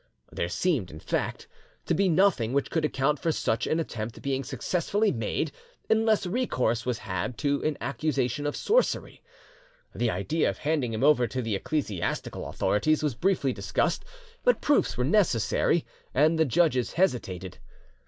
There seemed, in fact, to be nothing which could account for such an attempt being successfully made unless recourse was had to an accusation of sorcery. The idea of handing him over to the ecclesiastical authorities was briefly discussed, but proofs were necessary, and the judges hesitated.